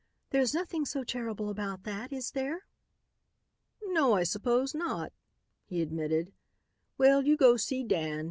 "There's nothing so terrible about that, is there?" "No, I suppose not," he admitted. "Well, you go see Dan.